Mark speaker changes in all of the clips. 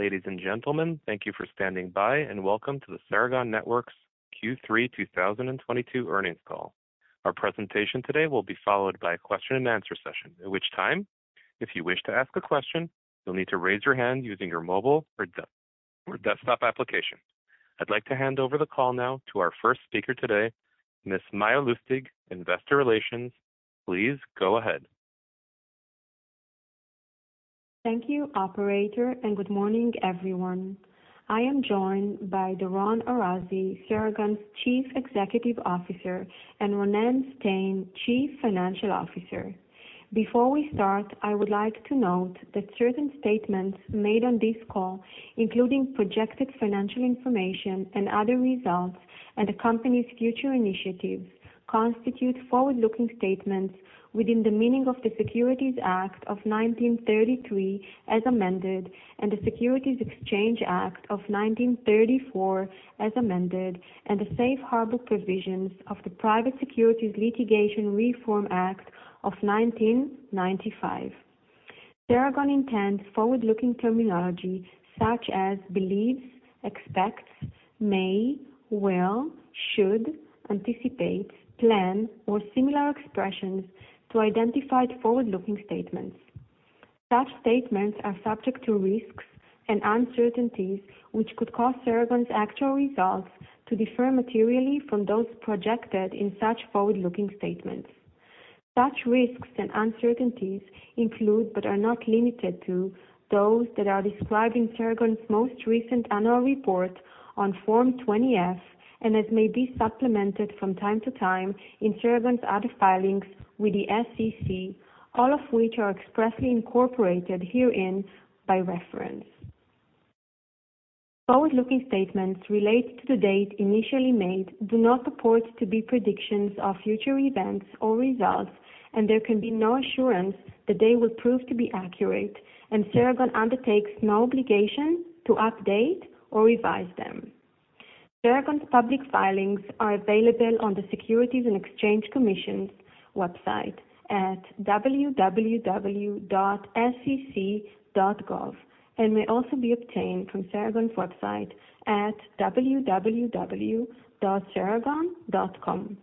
Speaker 1: Ladies and gentlemen, thank you for standing by, and welcome to the Ceragon Networks' Q3 2022 earnings call. Our presentation today will be followed by question-and-answer session. At which time, if you wish to ask a question, you will need to raise your hand using your mobile or desktop application. I'd like to hand over the call now to our first speaker today, Ms. Maya Lustig, Investor Relations. Please go ahead.
Speaker 2: Thank you Operator, and good morning everyone. I am joined by Doron Arazi, Ceragon Networks' Chief Executive Officer, and Ronen Stein, Chief Financial Officer. Before we start, I would like to note that certain statements made on this call, including projected financial information and other results and the company's future initiatives, constitute forward-looking statements within the meaning of the Securities Act of 1933 as amended, and the Securities Exchange Act of 1934 as amended, and the safe harbor provisions of the Private Securities Litigation Reform Act of 1995. Ceragon intends forward-looking terminology such as believes, expects, may, will, should, anticipates, plan, or similar expressions to identify forward-looking statements. Such statements are subject to risks and uncertainties which could cause Ceragon's actual results to differ materially from those projected in such forward-looking statements. Such risks and uncertainties include, but are not limited to, those that are described in Ceragon's most recent annual report on Form 20-F, and as may be supplemented from time to time in Ceragon's other filings with the SEC, all of which are expressly incorporated herein by reference. Forward-looking statements relate to the date initially made, do not purport to be predictions of future events or results, and there can be no assurance that they will prove to be accurate, and Ceragon undertakes no obligation to update or revise them. Ceragon's public filings are available on the Securities and Exchange Commission's website at www.sec.gov, and may also be obtained from Ceragon's website at www.ceragon.com.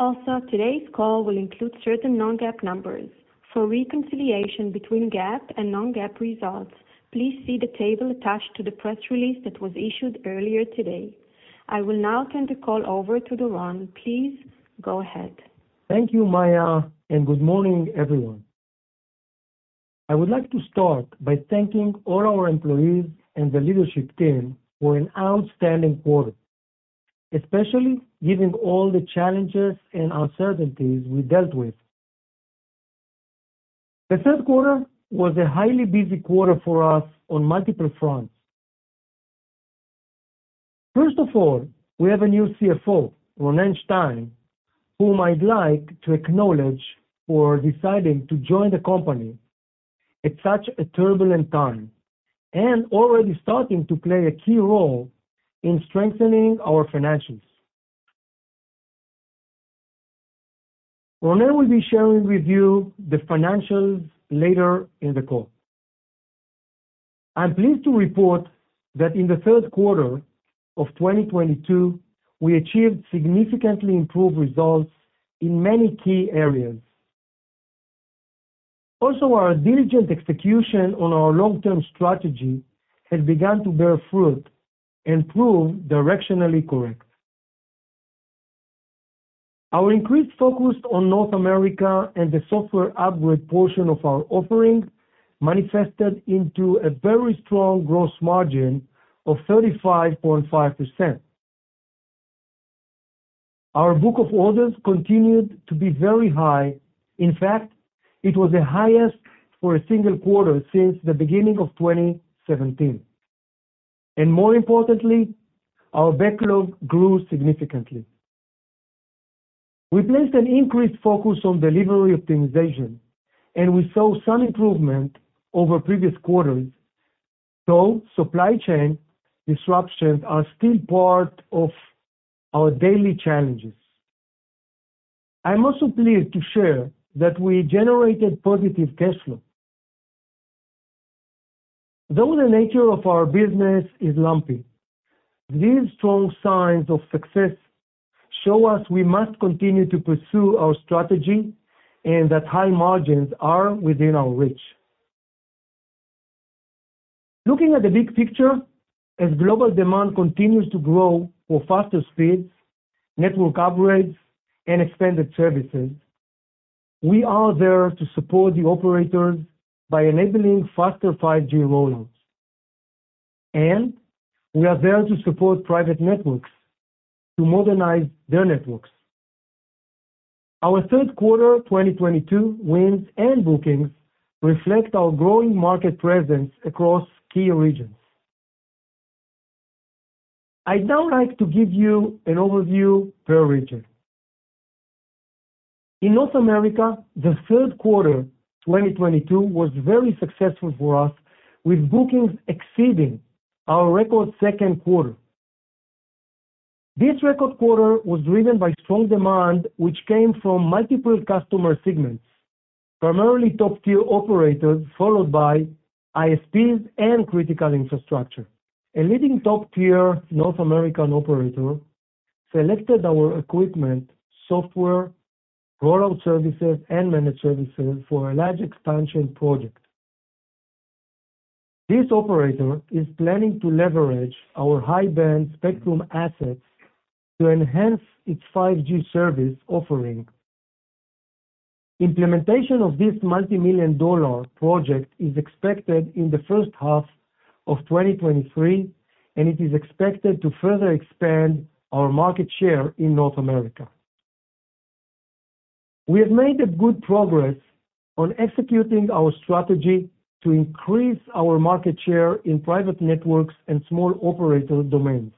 Speaker 2: Also, today's call will include certain non-GAAP numbers. For reconciliation between GAAP and non-GAAP results, please see the table attached to the press release that was issued earlier today. I will now turn the call over to Doron. Please go ahead.
Speaker 3: Thank you, Maya, and good morning, everyone. I would like to start by thanking all our employees and the leadership team for an outstanding quarter, especially given all the challenges and uncertainties we dealt with. The third quarter was a highly busy quarter for us on multiple fronts. First of all, we have a new CFO, Ronen Stein, whom I'd like to acknowledge for deciding to join the company at such a turbulent time, and already starting to play a key role in strengthening our financials. Ronen will be sharing with you the financials later in the call. I'm pleased to report that in the third quarter of 2022, we achieved significantly improved results in many key areas. Also, our diligent execution on our long-term strategy has begun to bear fruit and prove directionally correct. Our increased focus on North America and the software upgrade portion of our offering manifested into a very strong gross margin of 35.5%. Our book of orders continued to be very high. In fact, it was the highest for a single quarter since the beginning of 2017. More importantly, our backlog grew significantly. We placed an increased focus on delivery optimization, and we saw some improvement over previous quarters, though supply chain disruptions are still part of our daily challenges. I'm also pleased to share that we generated positive cash flow. Though the nature of our business is lumpy, these strong signs of success show us we must continue to pursue our strategy and that high margins are within our reach. Looking at the big picture, as global demand continues to grow for faster speeds, network upgrades, and expanded services, we are there to support the operators by enabling faster 5G roll-outs. We are there to support private networks to modernize their networks. Our third quarter 2022 wins and bookings reflect our growing market presence across key regions. I'd now like to give you an overview per region. In North America, the third quarter 2022 was very successful for us with bookings exceeding our record second quarter. This record quarter was driven by strong demand, which came from multiple customer segments, primarily top-tier operators, followed by ISPs and critical infrastructure. A leading top-tier North American operator selected our equipment, software, rollout services, and managed services for a large expansion project. This operator is planning to leverage our high-band spectrum assets to enhance its 5G service offering. Implementation of this multimillion-dollar project is expected in the first half of 2023, and it is expected to further expand our market share in North America. We have made a good progress on executing our strategy to increase our market share in private networks and small operator domains.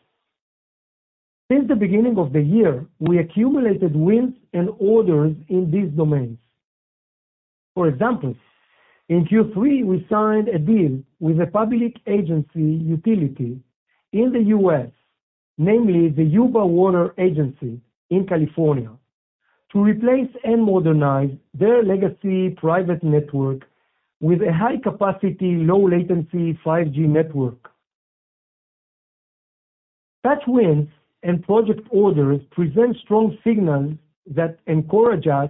Speaker 3: Since the beginning of the year, we accumulated wins and orders in these domains. For example, in Q3, we signed a deal with a public agency utility in the U.S., namely the Yuba Water Agency in California, to replace and modernize their legacy private network with a high-capacity, low-latency 5G network. Such wins and project orders present strong signals that encourage us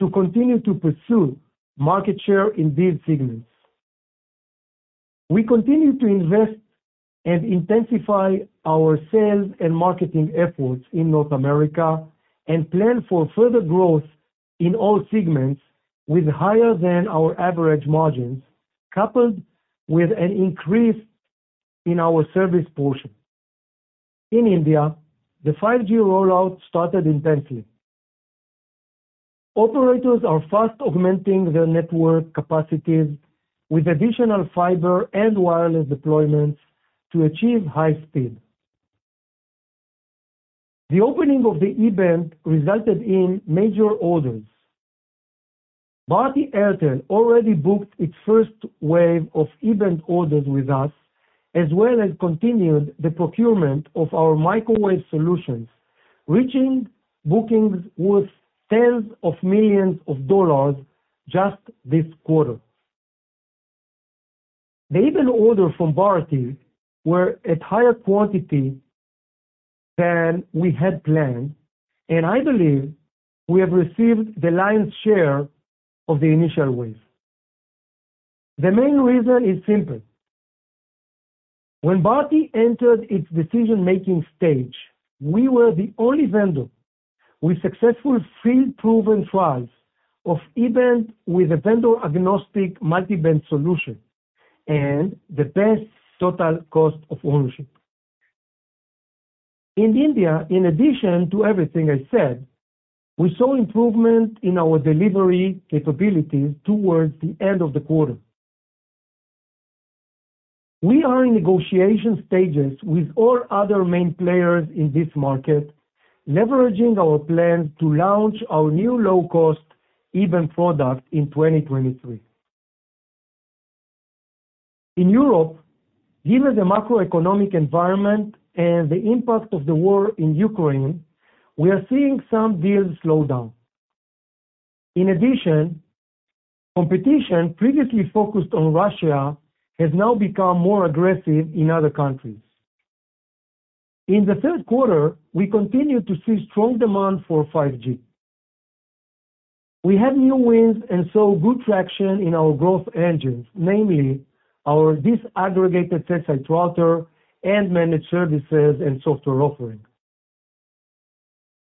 Speaker 3: to continue to pursue market share in these segments. We continue to invest and intensify our sales and marketing efforts in North America and plan for further growth in all segments with higher than our average margins, coupled with an increase in our service portion. In India, the 5G rollout started intensely. Operators are fast augmenting their network capacities with additional fiber and wireless deployments to achieve high speed. The opening of the E-band resulted in major orders. Bharti Airtel already booked its first wave of E-band orders with us, as well as continued the procurement of our microwave solutions, reaching bookings worth tens of millions of dollars just this quarter. The E-band order from Bharti were at higher quantity than we had planned, and I believe we have received the lion's share of the initial wave. The main reason is simple. When Bharti entered its decision-making stage, we were the only vendor with successful field-proven trials of E-band with a vendor-agnostic multi-band solution and the best total cost of ownership. In India, in addition to everything I said, we saw improvement in our delivery capabilities towards the end of the quarter. We are in negotiation stages with all other main players in this market, leveraging our plans to launch our new low-cost E-band product in 2023. In Europe, given the macroeconomic environment and the impact of the war in Ukraine, we are seeing some deals slow down. In addition, competition previously focused on Russia has now become more aggressive in other countries. In the third quarter, we continued to see strong demand for 5G. We have new wins and saw good traction in our growth engines, namely our Disaggregated Cell Site Router and managed services and software offering.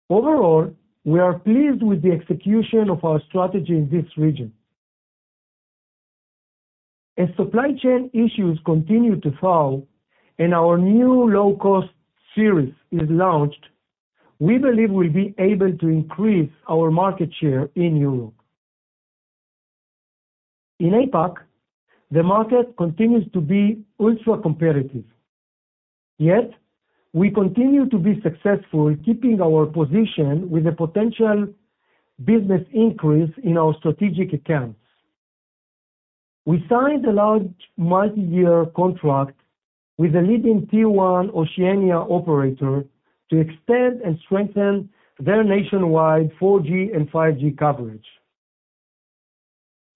Speaker 3: Overall, we are pleased with the execution of our strategy in this region. As supply chain issues continue to fall and our new low-cost series is launched, we believe we'll be able to increase our market share in Europe. In APAC, the market continues to be ultra-competitive, yet we continue to be successful keeping our position with a potential business increase in our strategic accounts. We signed a large multi-year contract with a leading tier one Oceania operator to extend and strengthen their nationwide 4G and 5G coverage.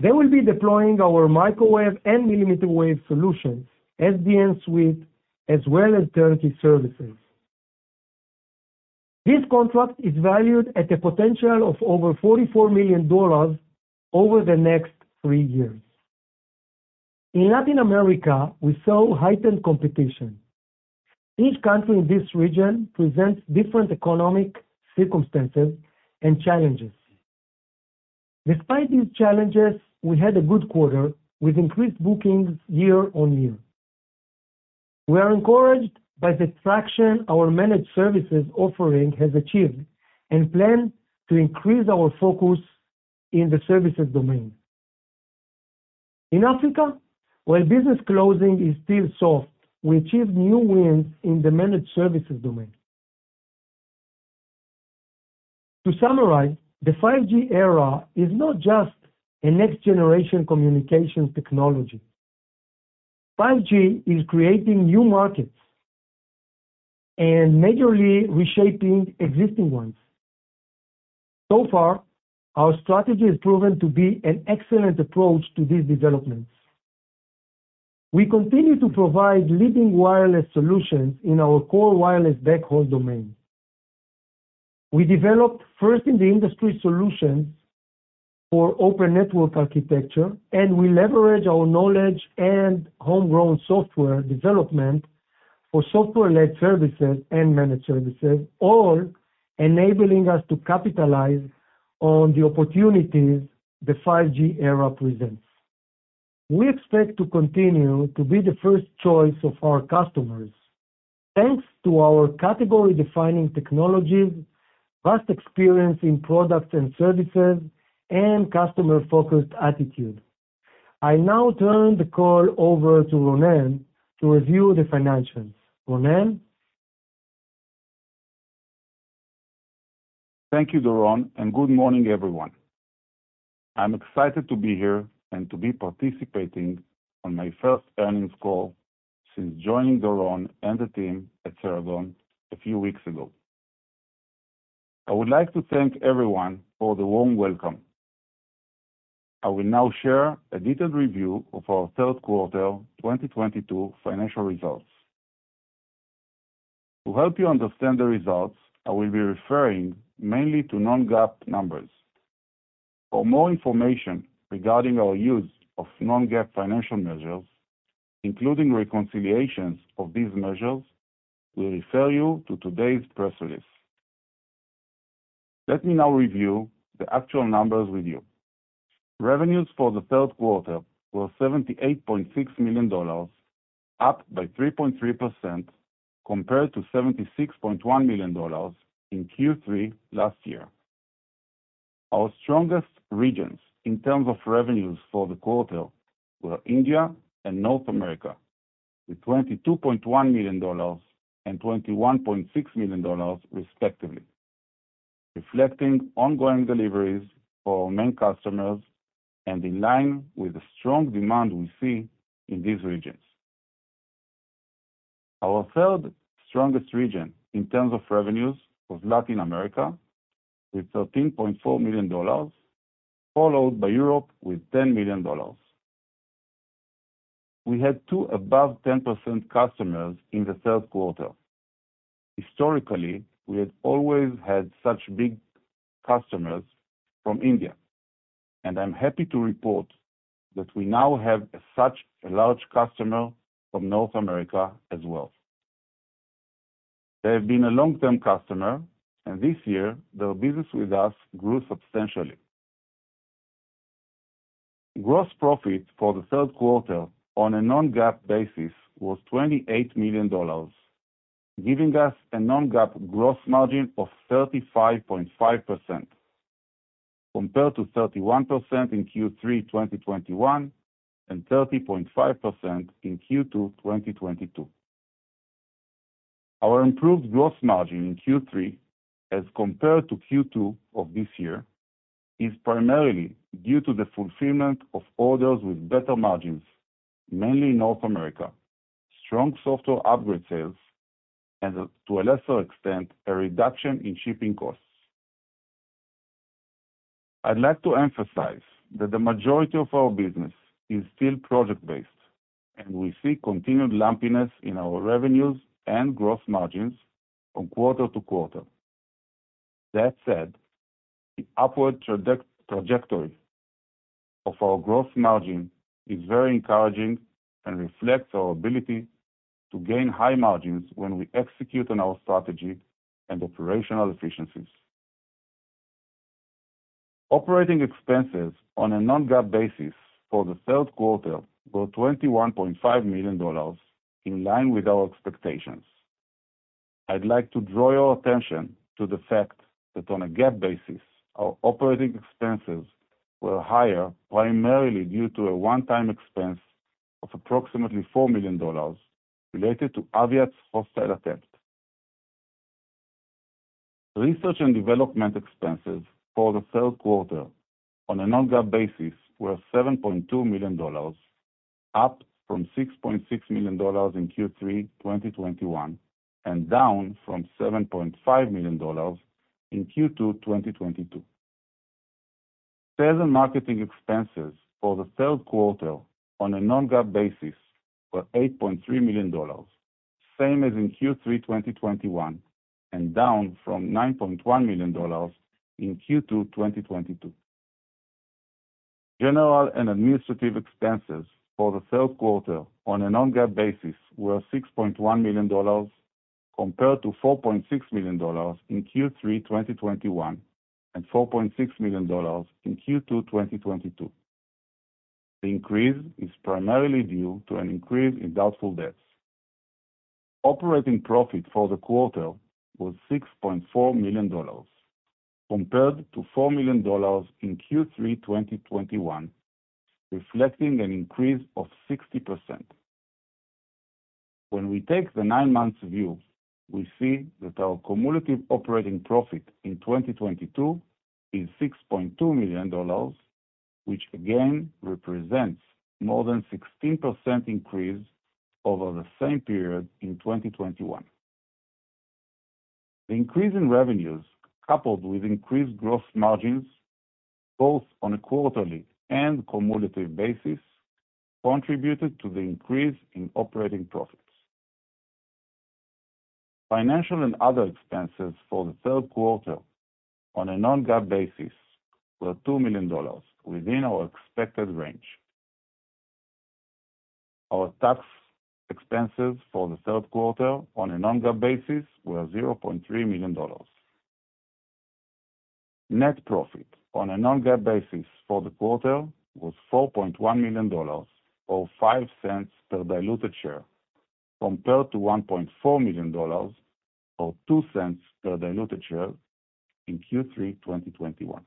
Speaker 3: They will be deploying our microwave and millimeter wave solution, SDN suite, as well as turnkey services. This contract is valued at a potential of over $44 million over the next three years. In Latin America, we saw heightened competition. Each country in this region presents different economic circumstances and challenges. Despite these challenges, we had a good quarter with increased bookings year-over-year. We are encouraged by the traction our managed services offering has achieved and plan to increase our focus in the services domain. In Africa, while business closing is still soft, we achieved new wins in the managed services domain. To summarize, the 5G era is not just a next-generation communications technology. 5G is creating new markets and majorly reshaping existing ones. So far, our strategy has proven to be an excellent approach to these developments. We continue to provide leading wireless solutions in our core wireless backhaul domain. We developed first-in-the-industry solution for open network architecture, and we leverage our knowledge and homegrown software development for software-led services and managed services, all enabling us to capitalize on the opportunities the 5G era presents. We expect to continue to be the first choice of our customers, thanks to our category-defining technologies, vast experience in products and services, and customer-focused attitude. I now turn the call over to Ronen to review the financials. Ronen?
Speaker 4: Thank you, Doron, and good morning, everyone. I'm excited to be here and to be participating on my first earnings call since joining Doron and the team at Ceragon a few weeks ago. I would like to thank everyone for the warm welcome. I will now share a detailed review of our third quarter 2022 financial results. To help you understand the results, I will be referring mainly to non-GAAP numbers. For more information regarding our use of non-GAAP financial measures, including reconciliations of these measures, we refer you to today's press release. Let me now review the actual numbers with you. Revenues for the third quarter were $78.6 million, up by 3.3% compared to $76.1 million in Q3 last year. Our strongest regions in terms of revenues for the quarter were India and North America, with $22.1 million and $21.6 million respectively, reflecting ongoing deliveries for our main customers and in line with the strong demand we see in these regions. Our third-strongest region in terms of revenues was Latin America, with $13.4 million, followed by Europe with $10 million. We had two above 10% customers in the third quarter. Historically, we had always had such big customers from India, and I'm happy to report that we now have such a large customer from North America as well. They have been a long-term customer, and this year, their business with us grew substantially. Gross profit for the third quarter on a non-GAAP basis was $28 million, giving us a non-GAAP gross margin of 35.5% compared to 31% in Q3, 2021, and 30.5% in Q2, 2022. Our improved gross margin in Q3 as compared to Q2 of this year is primarily due to the fulfillment of orders with better margins, mainly in North America, strong software upgrade sales, and to a lesser extent, a reduction in shipping costs. I'd like to emphasize that the majority of our business is still project-based, and we see continued lumpiness in our revenues and gross margins from quarter to quarter. That said, the upward trajectory of our gross margin is very encouraging and reflects our ability to gain high margins when we execute on our strategy and operational efficiencies. Operating expenses on a non-GAAP basis for the third quarter were $21.5 million, in line with our expectations. I'd like to draw your attention to the fact that on a GAAP basis, our operating expenses were higher, primarily due to a one-time expense of approximately $4 million related to Aviat Networks' hostile attempt. Research and development expenses for the third quarter on a non-GAAP basis were $7.2 million, up from $6.6 million in Q3 2021 and down from $7.5 million in Q2 2022. Sales and marketing expenses for the third quarter on a non-GAAP basis were $8.3 million, same as in Q3 2021, and down from $9.1 million in Q2 2022. General and administrative expenses for the third quarter on a non-GAAP basis were $6.1 million compared to $4.6 million in Q3 2021 and $4.6 million in Q2 2022. The increase is primarily due to an increase in doubtful debts. Operating profit for the quarter was $6.4 million compared to $4 million in Q3 2021, reflecting an increase of 60%. When we take the nine months view, we see that our cumulative operating profit in 2022 is $6.2 million, which again represents more than 16% increase over the same period in 2021. The increase in revenues, coupled with increased gross margins, both on a quarterly and cumulative basis, contributed to the increase in operating profits. Financial and other expenses for the third quarter on a non-GAAP basis were $2 million within our expected range. Our tax expenses for the third quarter on a non-GAAP basis were $0.3 million. Net profit on a non-GAAP basis for the quarter was $4.1 million or $0.05 per diluted share, compared to $1.4 million or $0.02 per diluted share in Q3 2021.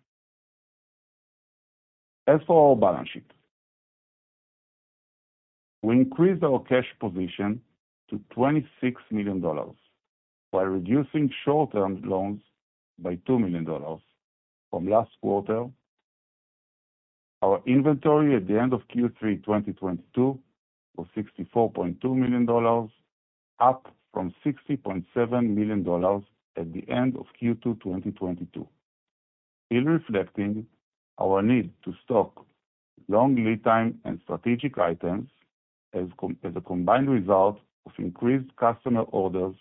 Speaker 4: As for our balance sheet, we increased our cash position to $26 million while reducing short-term loans by $2 million from last quarter. Our inventory at the end of Q3 2022 was $64.2 million, up from $60.7 million at the end of Q2 2022. Still reflecting our need to stock long lead time and strategic items as a combined result of increased customer orders,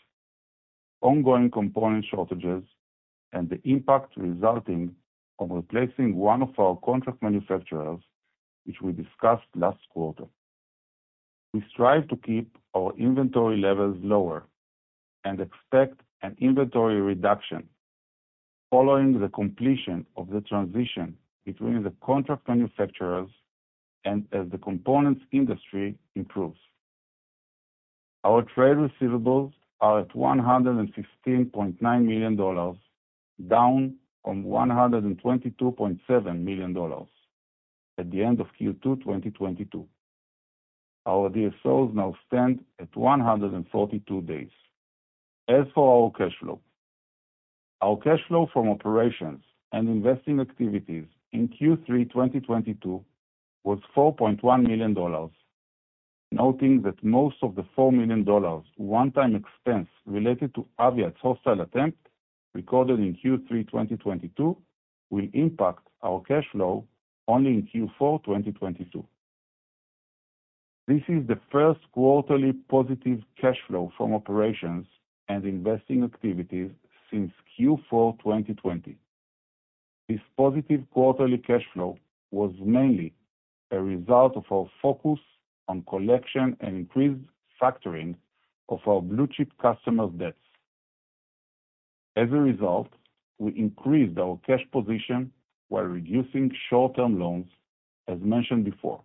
Speaker 4: ongoing component shortages, and the impact resulting from replacing one of our contract manufacturers, which we discussed last quarter. We strive to keep our inventory levels lower and expect an inventory reduction following the completion of the transition between the contract manufacturers and as the components industry improves. Our trade receivables are at $116.9 million, down from $122.7 million at the end of Q2 2022. Our DSOs now stand at 142 days. As for our cash flow, our cash flow from operations and investing activities in Q3 2022 was $4.1 million, noting that most of the $4 million one-time expense related to Aviat's hostile attempt recorded in Q3 2022 will impact our cash flow only in Q4 2022. This is the first quarterly positive cash flow from operations and investing activities since Q4 2020. This positive quarterly cash flow was mainly a result of our focus on collection and increased factoring of our blue-chip customers' debts. As a result, we increased our cash position while reducing short-term loans, as mentioned before.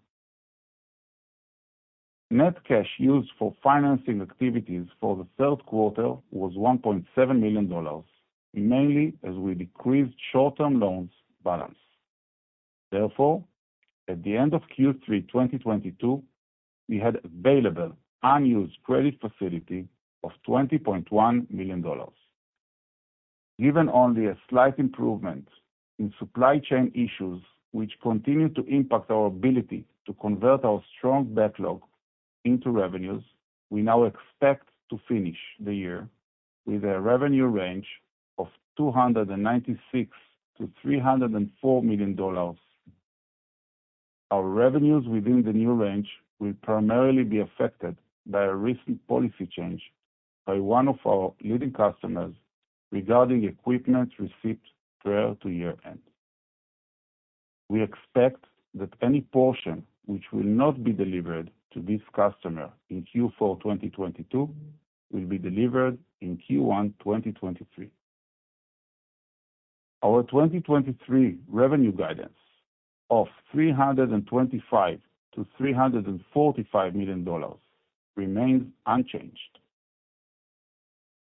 Speaker 4: Net cash used for financing activities for the third quarter was $1.7 million, mainly as we decreased short-term loans balance. Therefore, at the end of Q3 2022, we had available unused credit facility of $20.1 million. Given only a slight improvement in supply chain issues, which continue to impact our ability to convert our strong backlog. Turning to revenues. We now expect to finish the year with a revenue range of $296 million-$304 million. Our revenues within the new range will primarily be affected by a recent policy change by one of our leading customers regarding equipment receipts prior to year-end. We expect that any portion which will not be delivered to this customer in Q4 2022 will be delivered in Q1 2023. Our 2023 revenue guidance of $325 million-$345 million remains unchanged.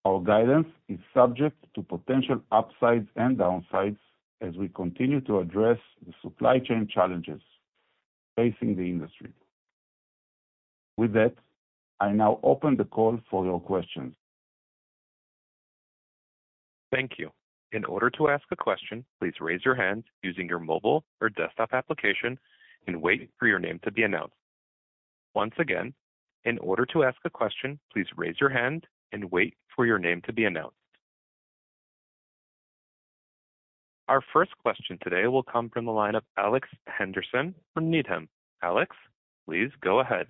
Speaker 4: Our guidance is subject to potential upsides and downsides as we continue to address the supply chain challenges facing the industry. With that, I now open the call for your questions.
Speaker 1: Thank you. In order to ask a question, please raise your hand using your mobile or desktop application and wait for your name to be announced. Once again, in order to ask a question, please raise your hand and wait for your name to be announced. Our first question today will come from the line of Alex Henderson from Needham. Alex, please go ahead.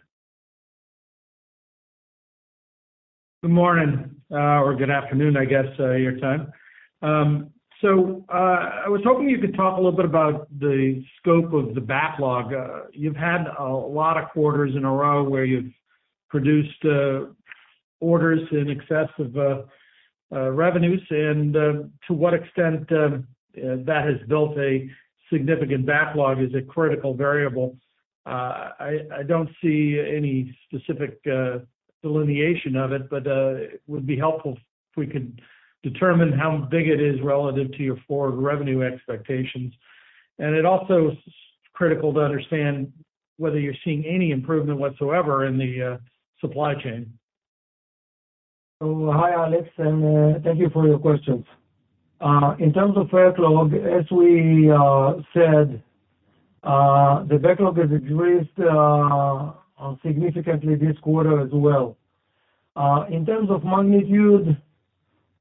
Speaker 5: Good morning, or good afternoon, I guess, your time. I was hoping you could talk a little bit about the scope of the backlog. You've had a lot of quarters in a row where you've produced orders in excess of revenues and to what extent that has built a significant backlog is a critical variable. I don't see any specific delineation of it, but it would be helpful if we could determine how big it is relative to your forward revenue expectations. It also is critical to understand whether you're seeing any improvement whatsoever in the supply chain.
Speaker 3: Hi, Alex, and thank you for your questions. In terms of backlog, as we said, the backlog has increased significantly this quarter as well. In terms of magnitude,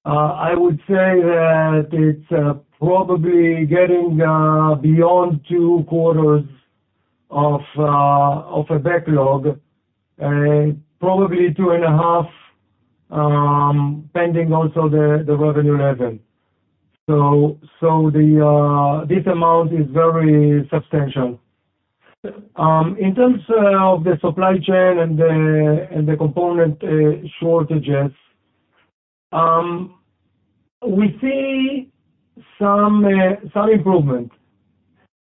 Speaker 3: I would say that it's probably getting beyond two quarters of a backlog, probably 2.5, pending also the revenue level. This amount is very substantial. In terms of the supply chain and the component shortages, we see some improvement.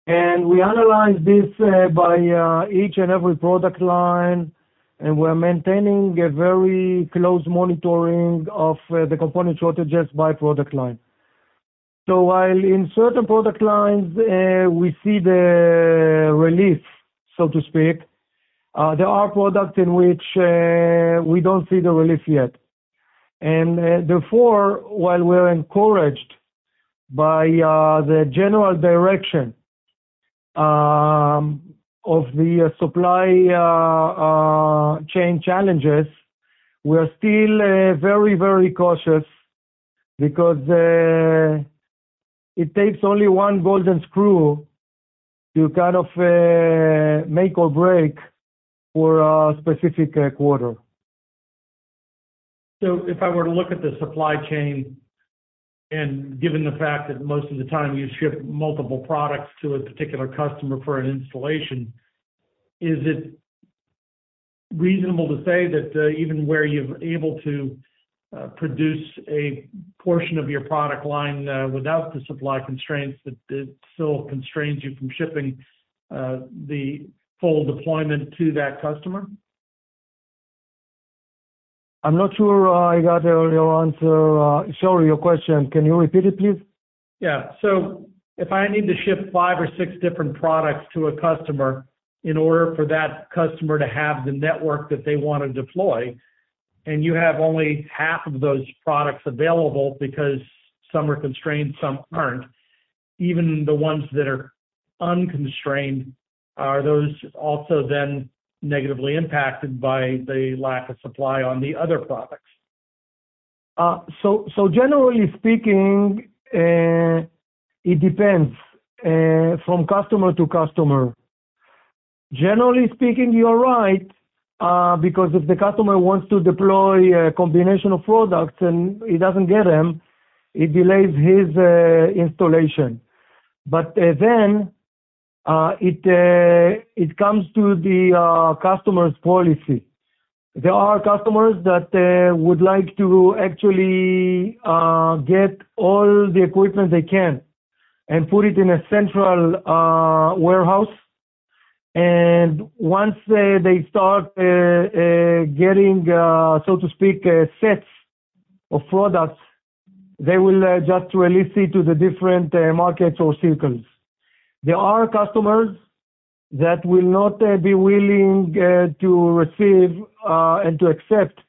Speaker 3: We analyze this by each and every product line, and we're maintaining a very close monitoring of the component shortages by product line. While in certain product lines, we see the relief, so to speak, there are products in which we don't see the relief yet. Therefore, while we're encouraged by the general direction of the supply chain challenges, we're still very, very cautious because it takes only one golden screw to kind of make or break for a specific quarter.
Speaker 5: If I were to look at the supply chain, and given the fact that most of the time you ship multiple products to a particular customer for an installation, is it reasonable to say that even where you're able to produce a portion of your product line without the supply constraints, that it still constrains you from shipping the full deployment to that customer?
Speaker 3: I'm not sure I got your answer, sorry, your question. Can you repeat it, please?
Speaker 5: Yeah. If I need to ship five or six different products to a customer in order for that customer to have the network that they wanna deploy, and you have only half of those products available because some are constrained, some aren't, even the ones that are unconstrained, are those also then negatively impacted by the lack of supply on the other products?
Speaker 3: Generally speaking, it depends from customer to customer. Generally speaking, you're right, because if the customer wants to deploy a combination of products and he doesn't get them, it delays his installation. It comes to the customer's policy. There are customers that would like to actually get all the equipment they can and put it in a central warehouse. Once they start getting, so to speak, sets of products, they will just release it to the different markets or circles. There are customers that will not be willing to receive and to accept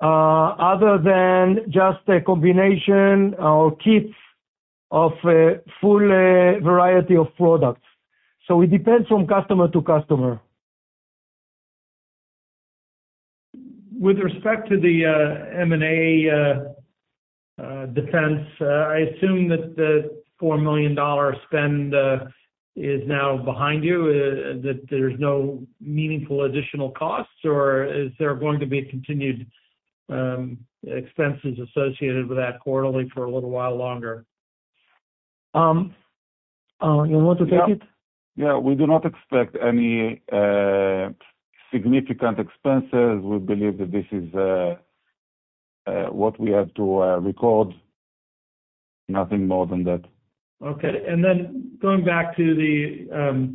Speaker 3: other than just a combination or kits of a full variety of products. It depends from customer to customer.
Speaker 5: With respect to the M&A defense, I assume that the $4 million spend is now behind you, that there's no meaningful additional costs, or is there going to be continued expenses associated with that quarterly for a little while longer?
Speaker 3: You want to take it?
Speaker 4: Yeah. Yeah, we do not expect any significant expenses. We believe that this is what we have to record, nothing more than that.
Speaker 5: Okay. Going back to the,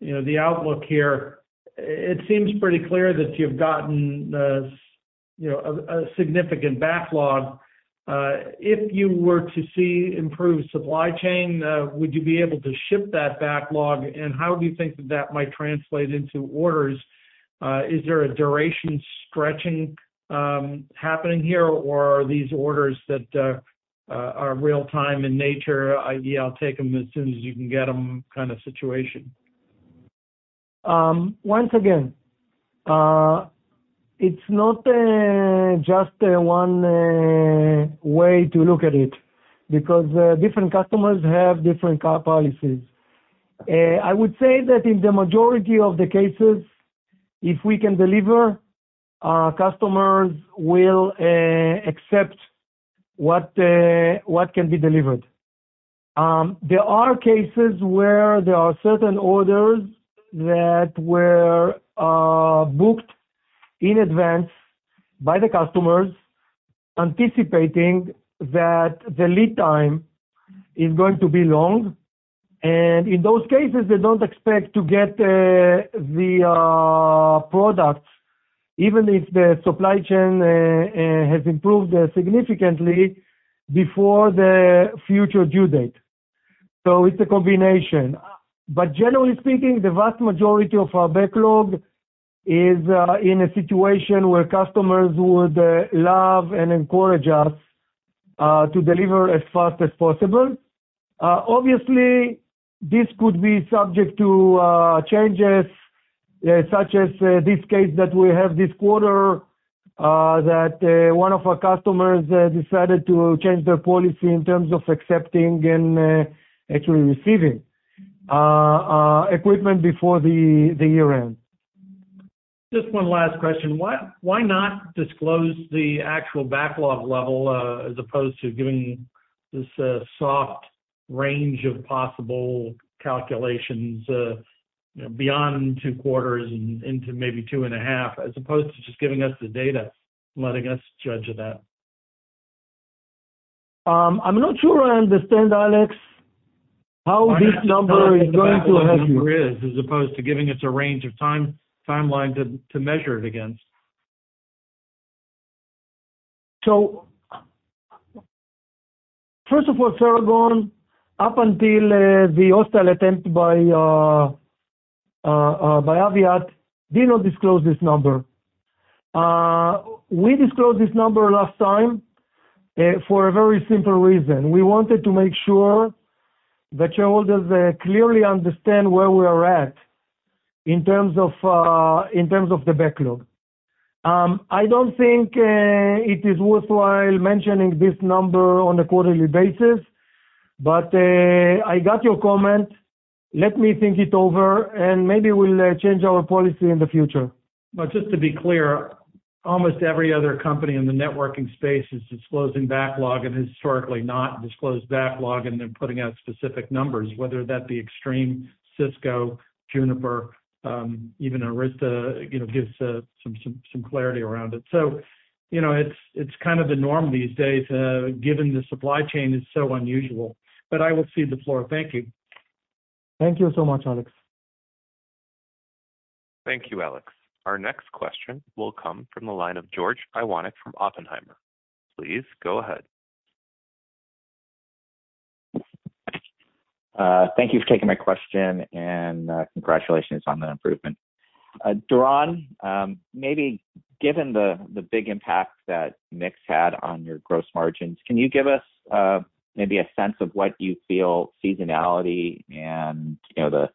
Speaker 5: you know, the outlook here, it seems pretty clear that you've gotten a significant backlog. If you were to see improved supply chain, would you be able to ship that backlog? And how do you think that might translate into orders? Is there a duration stretching happening here, or are these orders that are real-time in nature, I mean, I'll take them as soon as you can get them kind of situation?
Speaker 3: Once again, it's not just one way to look at it because different customers have different policies. I would say that in the majority of the cases, if we can deliver, our customers will accept what can be delivered. There are cases where there are certain orders that were booked in advance by the customers anticipating that the lead time is going to be long. In those cases, they don't expect to get the products, even if the supply chain has improved significantly before the future due date. It's a combination. Generally speaking, the vast majority of our backlog is in a situation where customers would love and encourage us to deliver as fast as possible. Obviously, this could be subject to changes, such as this case that we have this quarter that one of our customers decided to change their policy in terms of accepting and actually receiving equipment before the year-end.
Speaker 5: Just one last question. Why not disclose the actual backlog level as opposed to giving this soft range of possible calculations you know beyond two quarters and into maybe two and a half as opposed to just giving us the data letting us judge that?
Speaker 3: I'm not sure I understand, Alex, how this number is going to help you.
Speaker 5: What the backlog number is as opposed to giving us a range of timeline to measure it against?
Speaker 3: First of all, Ceragon, up until the hostile attempt by Aviat, did not disclose this number. We disclosed this number last time for a very simple reason. We wanted to make sure that shareholders clearly understand where we are at in terms of the backlog. I don't think it is worthwhile mentioning this number on a quarterly basis, but I got your comment. Let me think it over, and maybe we'll change our policy in the future.
Speaker 5: Just to be clear, almost every other company in the networking space is disclosing backlog and historically not disclosed backlog, and they're putting out specific numbers, whether that be Extreme, Cisco, Juniper, even Arista, you know, gives some clarity around it. So, you know, it's kind of the norm these days, given the supply chain is so unusual. But I will cede the floor. Thank you.
Speaker 3: Thank you so much, Alex.
Speaker 1: Thank you, Alex. Our next question will come from the line of George Iwanyc from Oppenheimer. Please go ahead.
Speaker 6: Thank you for taking my question, and congratulations on the improvement. Doron, maybe given the big impact that mix had on your gross margins, can you give us maybe a sense of what you feel seasonality and you know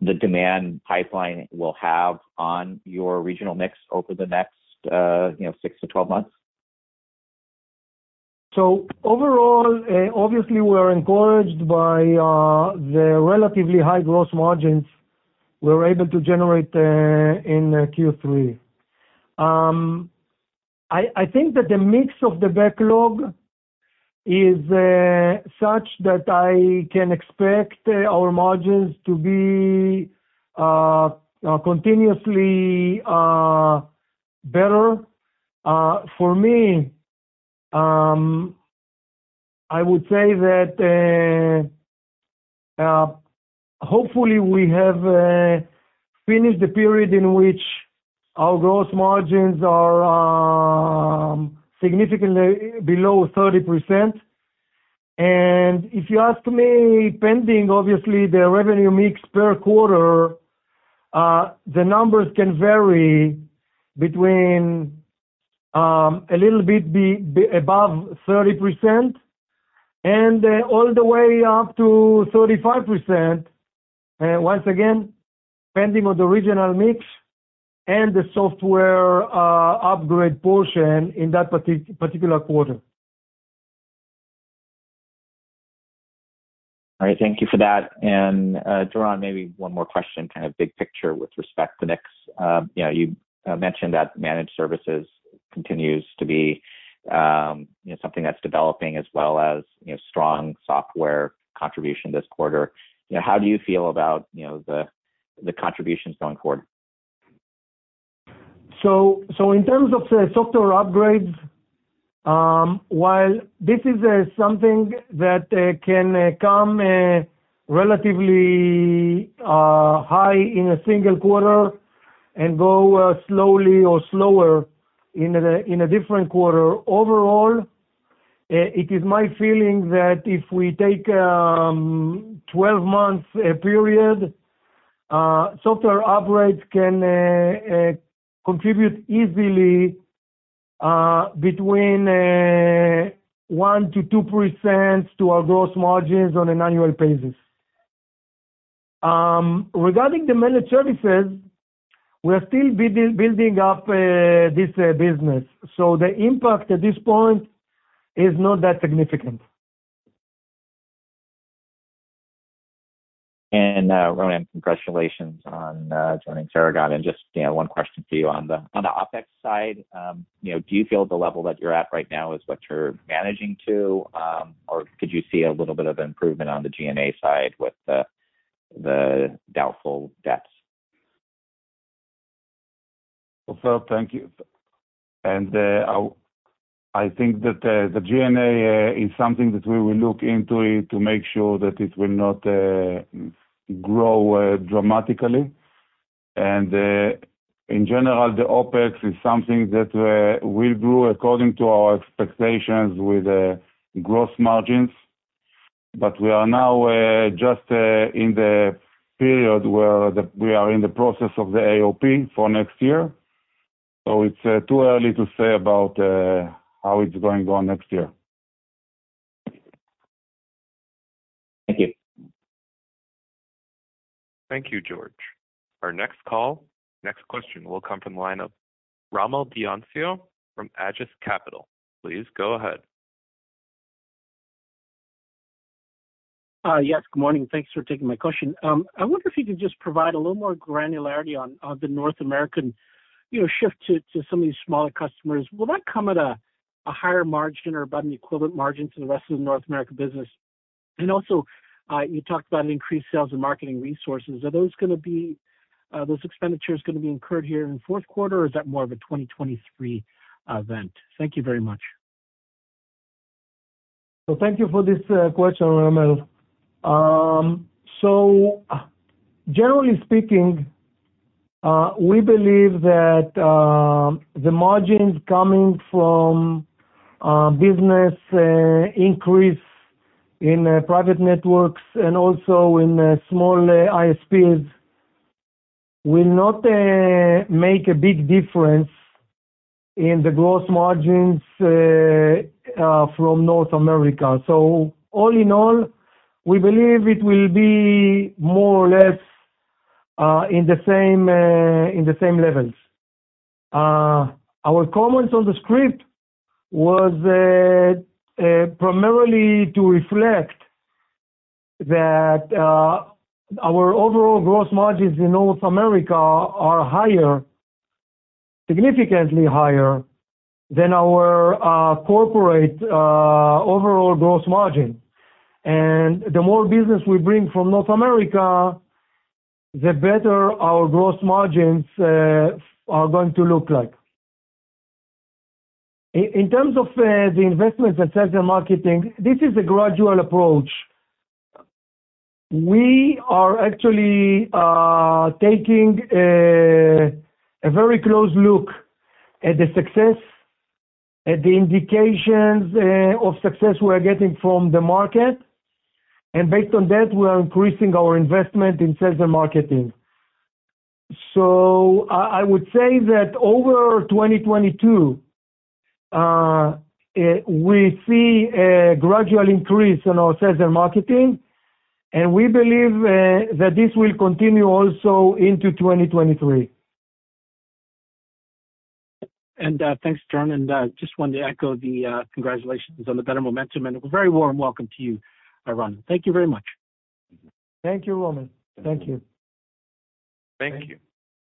Speaker 6: the demand pipeline will have on your regional mix over the next you know 6-12 months?
Speaker 3: Overall, obviously, we're encouraged by the relatively high gross margins we're able to generate in Q3. I think that the mix of the backlog is such that I can expect our margins to be continuously better. For me, I would say that hopefully, we have finished the period in which our gross margins are significantly below 30%. If you ask me, pending, obviously, the revenue mix per quarter, the numbers can vary between a little bit above 30% and all the way up to 35%. Once again, depending on the regional mix and the software upgrade portion in that particular quarter.
Speaker 6: All right, thank you for that. Doron, maybe one more question, kind of big picture with respect to mix. You know, you mentioned that managed services continues to be, you know, something that's developing as well as, you know, strong software contribution this quarter. You know, how do you feel about, you know, the contributions going forward?
Speaker 3: In terms of the software upgrades, while this is something that can come relatively high in a single quarter and go slowly or slower in a different quarter. Overall, it is my feeling that if we take 12 months period, software upgrades can contribute easily between 1%-2% to our gross margins on an annual basis. Regarding the managed services, we're still building up this business, so the impact at this point is not that significant.
Speaker 6: Ronen, congratulations on joining Ceragon. Just, you know, one question for you. On the OpEx side, you know, do you feel the level that you're at right now is what you're managing to, or could you see a little bit of improvement on the G&A side with the doubtful debts?
Speaker 4: Well, thank you. I think that the G&A is something that we will look into it to make sure that it will not grow dramatically. In general, the OpEx is something that will grow according to our expectations with gross margins. We are now just in the period where we are in the process of the AOP for next year, so it's too early to say about how it's going to go on next year.
Speaker 6: Thank you.
Speaker 1: Thank you, George. Our next question will come from the line of Rommel Dionisio from Aegis Capital. Please go ahead.
Speaker 7: Yes, good morning. Thanks for taking my question. I wonder if you could just provide a little more granularity on the North American, you know, shift to some of these smaller customers. Will that come at a higher margin or about an equivalent margin to the rest of the North America business? Also, you talked about increased sales and marketing resources. Are those expenditures gonna be incurred here in fourth quarter, or is that more of a 2023 event? Thank you very much.
Speaker 3: Thank you for this question, Rommel. Generally speaking, we believe that the margins coming from business increase in private networks and also in small ISPs will not make a big difference in the gross margins from North America. All in all, we believe it will be more or less in the same levels. Our comments on the script was primarily to reflect that our overall gross margins in North America are higher, significantly higher than our corporate overall gross margin. The more business we bring from North America, the better our gross margins are going to look like. In terms of the investments in sales and marketing, this is a gradual approach. We are actually taking a very close look at the success, at the indications of success we are getting from the market, and based on that, we are increasing our investment in sales and marketing. I would say that over 2022 we see a gradual increase in our sales and marketing, and we believe that this will continue also into 2023.
Speaker 7: Thanks, Doron. Just wanted to echo the congratulations on the better momentum, and a very warm welcome to you, Ronen. Thank you very much.
Speaker 3: Thank you, Rommel. Thank you.
Speaker 1: Thank you.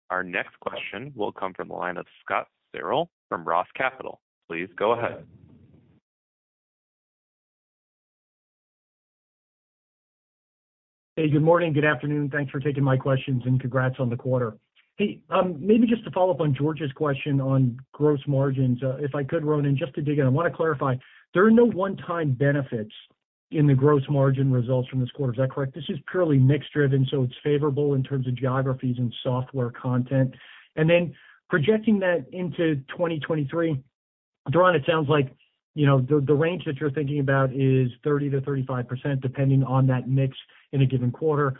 Speaker 1: Our next question will come from the line of Scott Searle from Roth Capital Partners. Please go ahead.
Speaker 8: Hey, good morning, good afternoon. Thanks for taking my questions, and congrats on the quarter. Hey, maybe just to follow up on George's question on gross margins, if I could, Ronen, just to dig in. I want to clarify, there are no one-time benefits in the gross margin results from this quarter. Is that correct? This is purely mix-driven, so it's favorable in terms of geographies and software content. Projecting that into 2023. Doron, it sounds like, you know, the range that you're thinking about is 30%-35%, depending on that mix in a given quarter.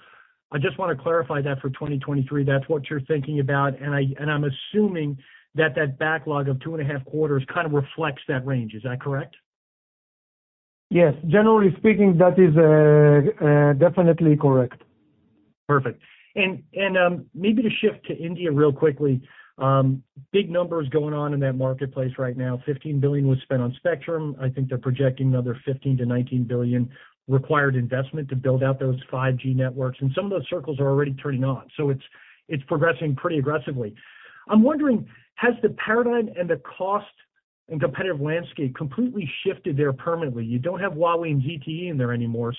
Speaker 8: I just wanna clarify that for 2023, that's what you're thinking about, and I'm assuming that backlog of 2.5 quarters kinda reflects that range. Is that correct?
Speaker 3: Yes. Generally speaking, that is, definitely correct.
Speaker 8: Perfect. Maybe to shift to India really quickly. Big numbers going on in that marketplace right now. $15 billion was spent on spectrum. I think they're projecting another $15-$19 billion required investment to build out those 5G networks, and some of those circles are already turning on. It's progressing pretty aggressively. I'm wondering, has the paradigm and the cost and competitive landscape completely shifted there permanently? You don't have Huawei and ZTE in there anymore.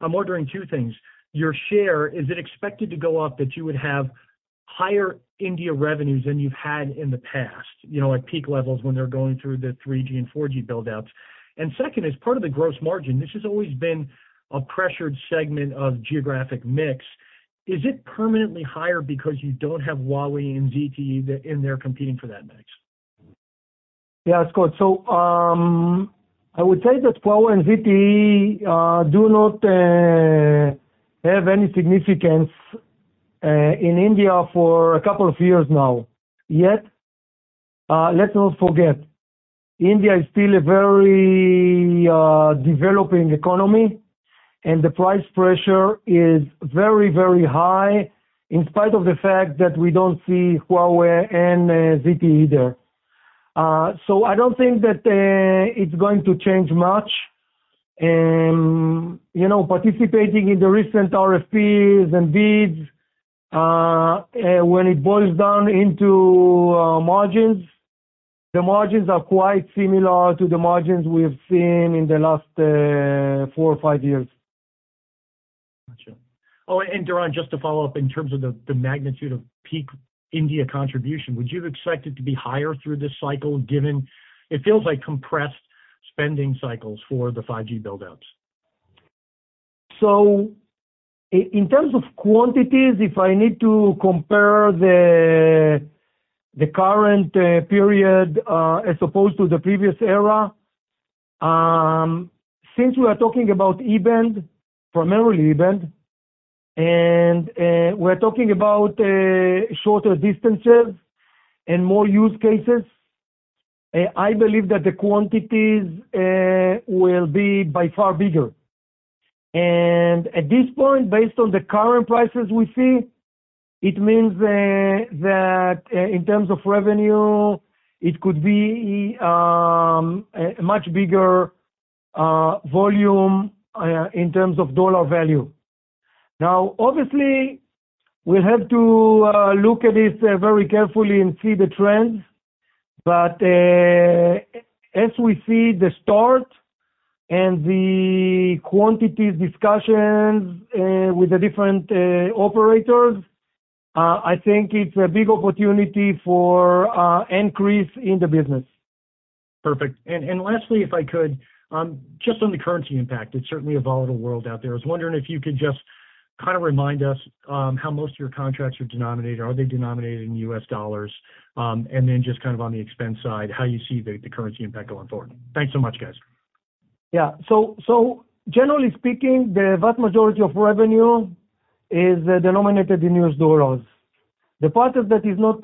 Speaker 8: I'm wondering two things. Your share, is it expected to go up, that you would have higher India revenues than you've had in the past, you know, at peak levels when they're going through the 3G and 4G build-outs? Second is part of the gross margin. This has always been a pressured segment of geographic mix. Is it permanently higher because you don't have Huawei and ZTE in there competing for that mix?
Speaker 3: Yeah, Scott, I would say that Huawei and ZTE do not have any significance in India for a couple of years now. Yet, let's not forget, India is still a very developing economy, and the price pressure is very, very high, in spite of the fact that we don't see Huawei and ZTE there. I don't think that it's going to change much. You know, participating in the recent RFPs and bids, when it boils down to margins, the margins are quite similar to the margins we have seen in the last four or five years.
Speaker 8: Gotcha. Oh, and Doron, just to follow up in terms of the magnitude of peak India contribution, would you expect it to be higher through this cycle, given it feels like compressed spending cycles for the 5G build-outs?
Speaker 3: In terms of quantities, if I need to compare the current period as opposed to the previous era, since we are talking about E-band, primarily E-band, and we're talking about shorter distances and more use cases, I believe that the quantities will be by far bigger. At this point, based on the current prices we see, it means that in terms of revenue, it could be a much bigger volume in terms of dollar value. Now, obviously, we'll have to look at this very carefully and see the trends. As we see the start and the quantities discussions with the different operators, I think it's a big opportunity for increase in the business.
Speaker 8: Perfect. Lastly, if I could, just on the currency impact, it's certainly a volatile world out there. I was wondering if you could just kinda remind us, how most of your contracts are denominated. Are they denominated in U.S. dollars? Then just kind of on the expense side, how you see the currency impact going forward. Thanks so much, guys.
Speaker 3: Yeah. Generally speaking, the vast majority of revenue is denominated in U.S. dollars. The part that is not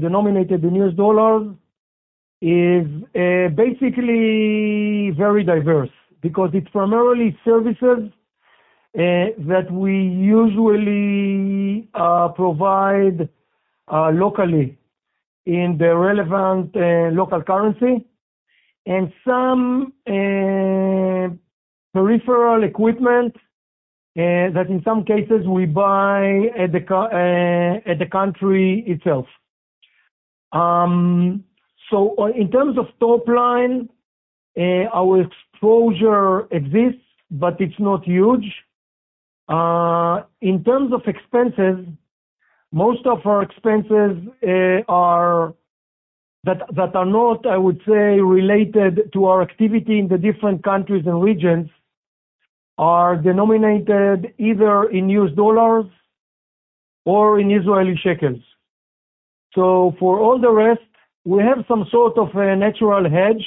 Speaker 3: denominated in U.S. dollars is basically very diverse because it's primarily services that we usually provide locally in the relevant local currency and some peripheral equipment that in some cases we buy at the country itself. In terms of top line, our exposure exists, but it's not huge. In terms of expenses, most of our expenses that are not, I would say, related to our activity in the different countries and regions are denominated either in U.S. dollars or in Israeli shekels. For all the rest, we have some sort of a natural hedge,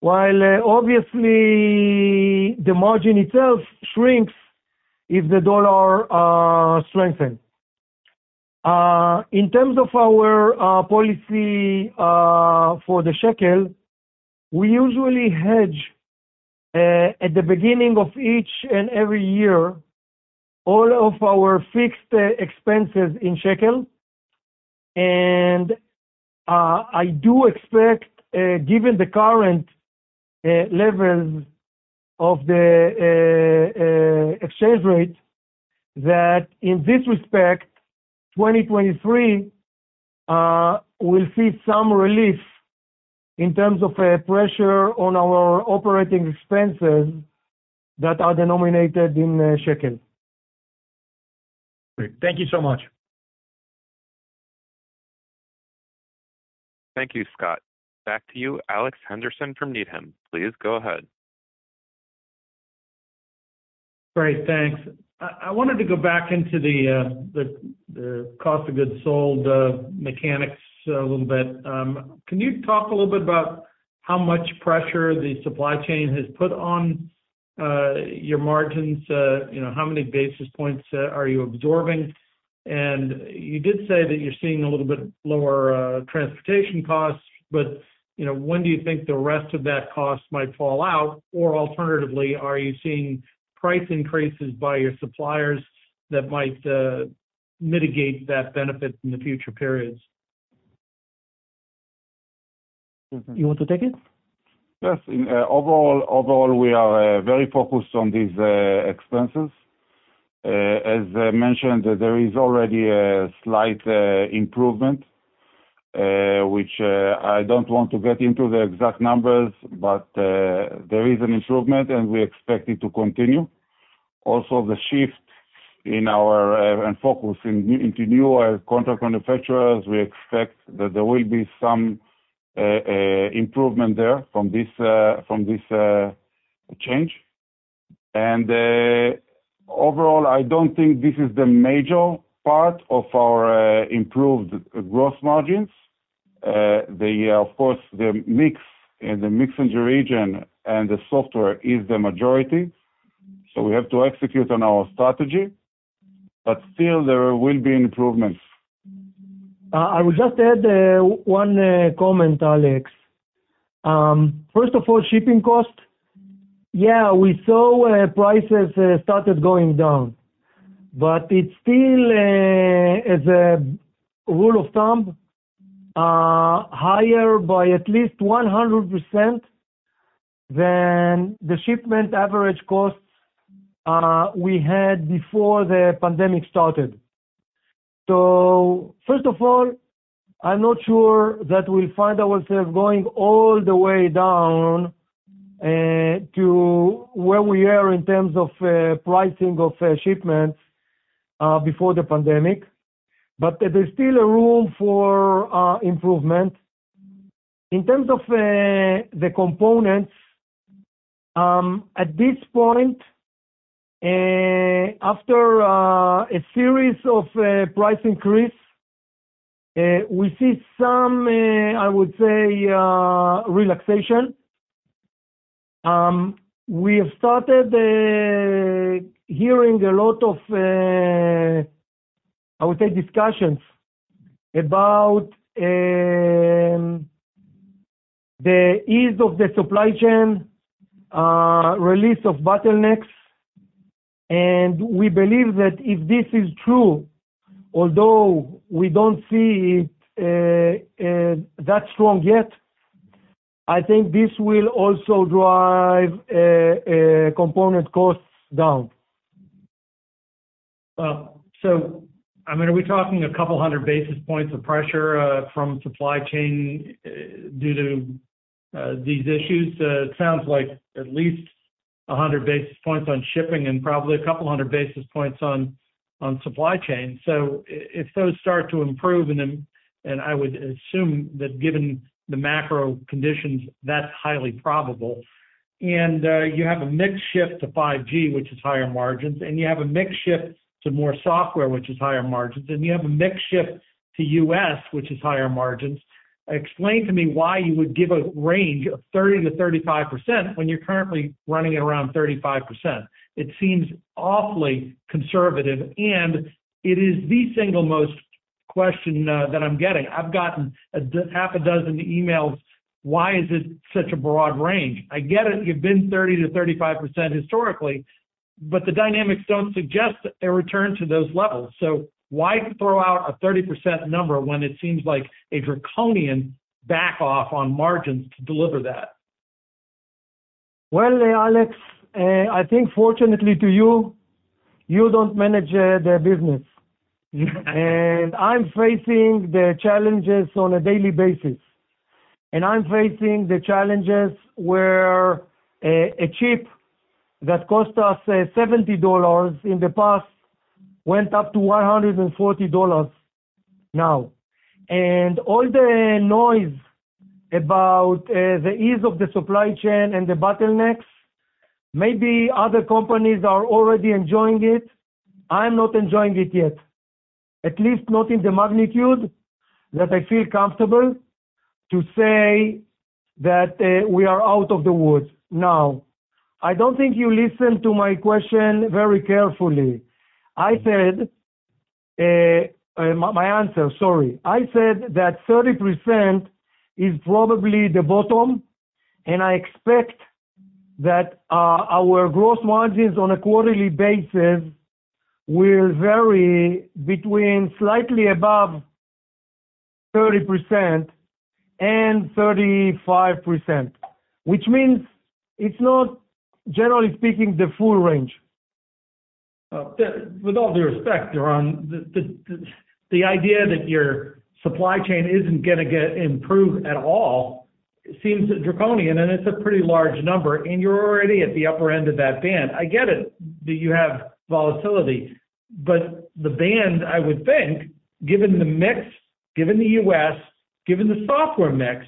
Speaker 3: while obviously the margin itself shrinks if the dollar strengthen. In terms of our policy for the shekel, we usually hedge at the beginning of each and every year, all of our fixed expenses in shekel. I do expect, given the current levels of the exchange rate, that in this respect, 2023, we'll see some relief in terms of pressure on our operating expenses that are denominated in shekel.
Speaker 8: Great. Thank you so much.
Speaker 1: Thank you, Scott. Back to you, Alex Henderson from Needham, please go ahead.
Speaker 5: Great. Thanks. I wanted to go back into the cost of goods sold mechanics a little bit. Can you talk a little bit about how much pressure the supply chain has put on your margins? You know, how many basis points are you absorbing? You did say that you're seeing a little bit lower transportation costs, but you know, when do you think the rest of that cost might fall out? Alternatively, are you seeing price increases by your suppliers that might mitigate that benefit in the future periods?
Speaker 3: You want to take it?
Speaker 4: Yes. In overall, we are very focused on these expenses. As I mentioned, there is already a slight improvement, which I don't want to get into the exact numbers, but there is an improvement, and we expect it to continue. Also, the shift into newer contract manufacturers, we expect that there will be some improvement there from this change. Overall, I don't think this is the major part of our improved gross margins. Of course, the mix in the region and the software is the majority. We have to execute on our strategy, but still there will be improvements.
Speaker 3: I would just add one comment, Alex. First of all, shipping costs, yeah, we saw prices started going down. But it still, as a rule of thumb, are higher by at least 100% than the shipment average costs we had before the pandemic started. First of all, I'm not sure that we find ourselves going all the way down to where we are in terms of pricing of shipments before the pandemic. But there's still a room for improvement. In terms of the components, at this point, after a series of price increase, we see some, I would say, relaxation. We have started hearing a lot of, I would say, discussions about the ease of the supply chain, release of bottlenecks, and we believe that if this is true, although we don't see it that strong yet, I think this will also drive component costs down.
Speaker 5: I mean, are we talking 200 basis points of pressure from supply chain due to these issues? It sounds like at least 100 basis points on shipping and probably 200 basis points on supply chain. If those start to improve, and I would assume that given the macro conditions, that's highly probable. You have a mix shift to 5G, which is higher margins, and you have a mix shift to more software, which is higher margins, and you have a mix shift to U.S., which is higher margins. Explain to me why you would give a range of 30%-35% when you're currently running at around 35%. It seems awfully conservative, and it is the single most question that I'm getting. I've gotten half a dozen emails, why is it such a broad range? I get it, you've been 30%-35% historically, but the dynamics don't suggest a return to those levels. Why throw out a 30% number when it seems like a draconian back off on margins to deliver that?
Speaker 3: Well, Alex, I think fortunately to you don't manage the business. I'm facing the challenges on a daily basis. I'm facing the challenges where a chip that cost us $70 in the past went up to $140 now. All the noise about the ease of the supply chain and the bottlenecks, maybe other companies are already enjoying it. I'm not enjoying it yet, at least not in the magnitude that I feel comfortable to say that we are out of the woods. Now, I don't think you listened to my question very carefully. I said, my answer, sorry. I said that 30% is probably the bottom, and I expect that our gross margins on a quarterly basis will vary between slightly above 30% and 35%, which means it's not, generally speaking, the full range.
Speaker 5: With all due respect, Doron, the idea that your supply chain isn't gonna get improved at all seems draconian, and it's a pretty large number, and you're already at the upper end of that band. I get it, that you have volatility. The band, I would think, given the mix, given the U.S., given the software mix,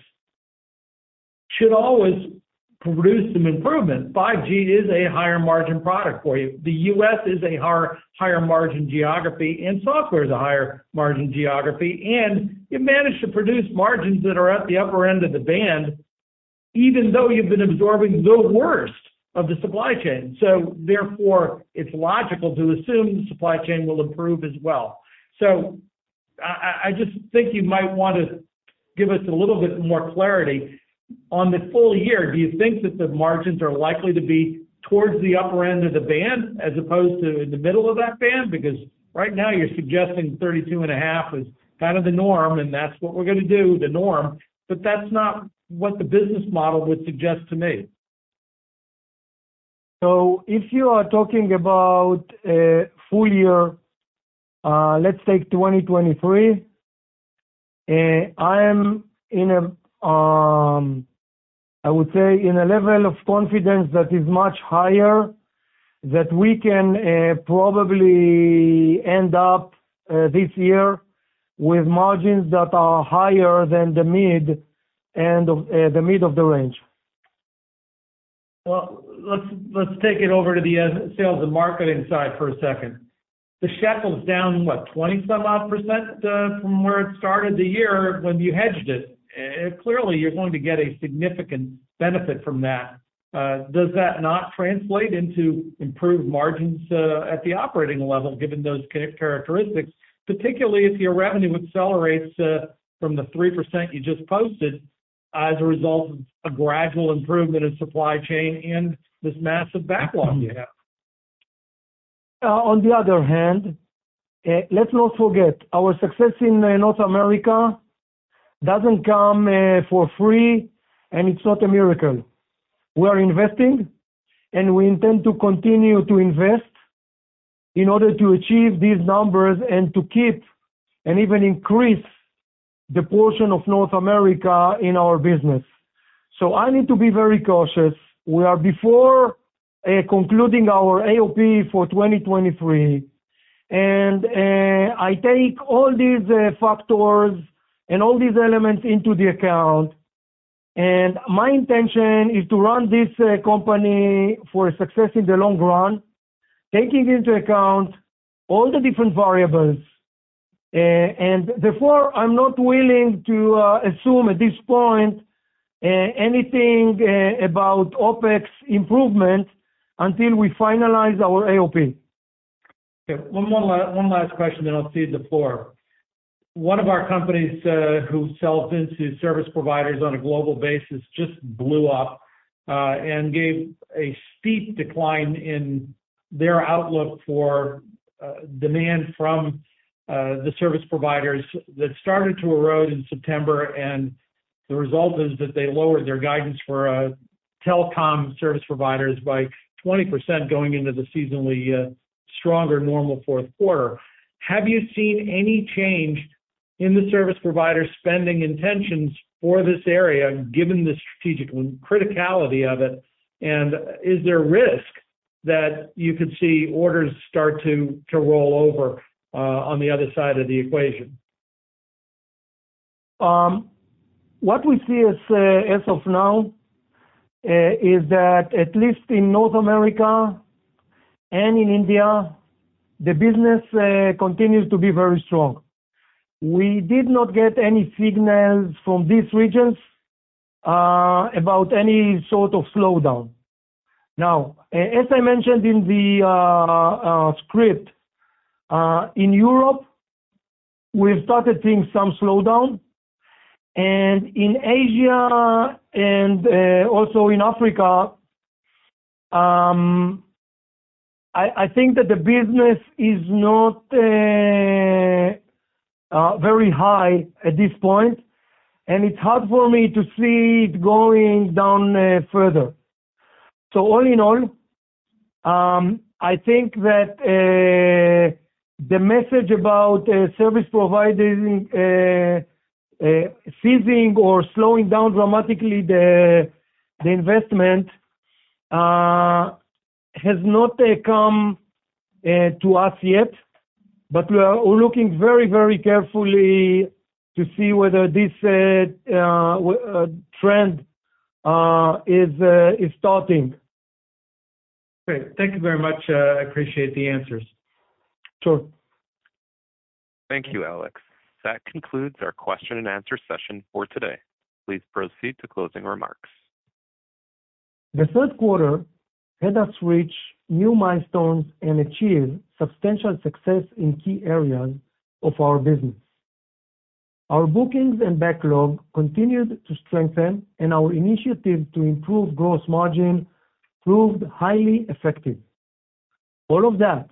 Speaker 5: should always produce some improvement. 5G is a higher margin product for you. The U.S. is a higher margin geography, and software is a higher margin geography. You manage to produce margins that are at the upper end of the band even though you've been absorbing the worst of the supply chain. Therefore, it's logical to assume the supply chain will improve as well. I just think you might wanna give us a little bit more clarity. On the full year, do you think that the margins are likely to be towards the upper end of the band as opposed to in the middle of that band? Because right now you're suggesting 32.5% is kind of the norm, and that's what we're gonna do, the norm, but that's not what the business model would suggest to me.
Speaker 3: If you are talking about a full year, let's take 2023. I would say in a level of confidence that is much higher that we can probably end up this year with margins that are higher than the mid-end of the mid of the range.
Speaker 5: Well, let's take it over to the sales and marketing side for a second. The shekel's down, what? 20% odd, from where it started the year when you hedged it. Clearly, you're going to get a significant benefit from that. Does that not translate into improved margins at the operating level, given those characteristics, particularly if your revenue accelerates from the 3% you just posted as a result of a gradual improvement in supply chain and this massive backlog you have?
Speaker 3: On the other hand, let's not forget, our success in North America doesn't come for free, and it's not a miracle. We are investing, and we intend to continue to invest in order to achieve these numbers and to keep and even increase the portion of North America in our business. I need to be very cautious. We are before concluding our AOP for 2023, and I take all these factors and all these elements into account. My intention is to run this company for success in the long run, taking into account all the different variables. Therefore, I'm not willing to assume at this point anything about OpEx improvement until we finalize our AOP.
Speaker 5: Okay. One last question, then I'll cede the floor. One of our companies who sells into service providers on a global basis just blew up and gave a steep decline in their outlook for demand from the service providers that started to erode in September. The result is that they lowered their guidance for telecom service providers by 20% going into the seasonally stronger normal fourth quarter. Have you seen any change in the service provider spending intentions for this area, given the strategic criticality of it? Is there risk that you could see orders start to roll over on the other side of the equation?
Speaker 3: What we see as of now is that at least in North America and in India, the business continues to be very strong. We did not get any signals from these regions about any sort of slowdown. Now, as I mentioned in the script, in Europe, we've started seeing some slowdown. In Asia and also in Africa, I think that the business is not very high at this point, and it's hard for me to see it going down further. All in all, I think that the message about service providers ceasing or slowing down dramatically the investment has not come to us yet. We are looking very, very carefully to see whether this trend is starting.
Speaker 5: Great. Thank you very much. I appreciate the answers.
Speaker 3: Sure.
Speaker 1: Thank you, Alex. That concludes our question and answer session for today. Please proceed to closing remarks.
Speaker 3: The third quarter had us reach new milestones and achieve substantial success in key areas of our business. Our bookings and backlog continued to strengthen, and our initiative to improve gross margin proved highly effective. All of that,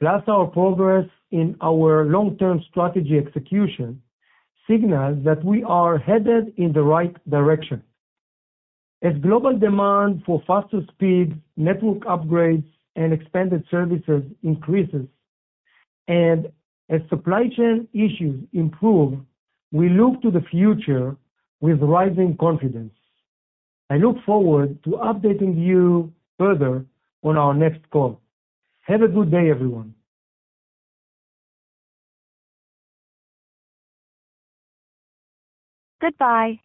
Speaker 3: plus our progress in our long-term strategy execution, signals that we are headed in the right direction. As global demand for faster speed, network upgrades, and expanded services increases, and as supply chain issues improve, we look to the future with rising confidence. I look forward to updating you further on our next call. Have a good day, everyone.
Speaker 1: Goodbye.